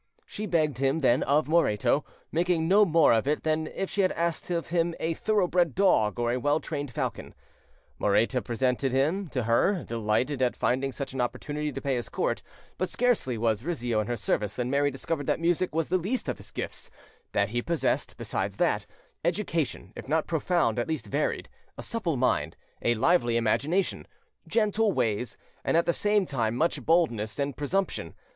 She begged him then of Moreto, making no more of it than if she had asked of him a thoroughbred dog or a well trained falcon. Moreta presented him to her, delighted at finding such an opportunity to pay his court; but scarcely was Rizzio in her service than Mary discovered that music was the least of his gifts, that he possessed, besides that, education if not profound at least varied, a supple mind, a lively imagination, gentle ways, and at the same time much boldness and presumption.